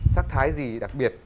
sắc thái gì đặc biệt